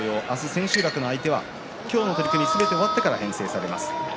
千秋楽の相手は今日の取組がすべて終わってから編成されます。